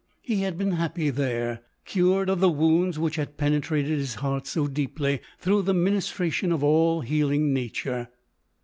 He had been happy there ; cured of the wounds which had penetrated his heart so deeply, through the ministration of all healing nature.